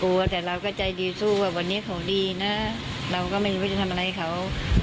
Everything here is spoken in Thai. แต่เราก็ใจดีสู้ว่าวันนี้เขาดีนะเราก็ไม่รู้ว่าจะทำอะไรเขา